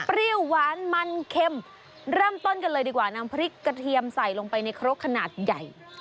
หวานมันเค็มเริ่มต้นกันเลยดีกว่านำพริกกระเทียมใส่ลงไปในครกขนาดใหญ่